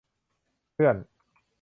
เพื่อน